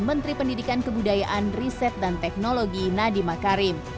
menteri pendidikan kebudayaan riset dan teknologi nadima karim